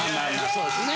そうですね。